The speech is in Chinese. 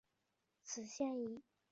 此线以南北纵贯中央部分。